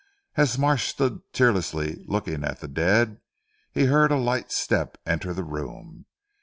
As Marsh stood tearlessly looking at the dead, he heard a light step enter the room.